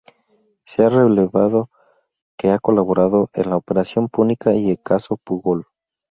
Se ha revelado que ha colaborado en la Operación Púnica y el Caso Pujol.